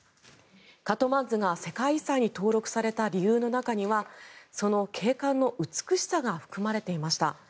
カトマンズが世界遺産に登録された理由の中にはその景観の美しさが含まれていました。